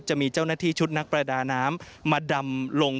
จะมีเจ้าหน้าที่ชุดนักประดาน้ำมาดำลง